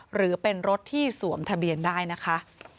หรือเป็นรถที่สวมทะเบียนได้นะคะ